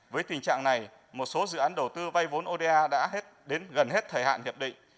với tình trạng này một số dự án đầu tư vay vốn oda đã đến gần hết thời hạn hiệp định